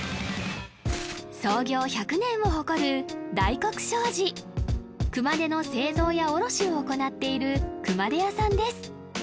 創業１００年を誇る大黒商事熊手の製造や卸を行っている熊手屋さんです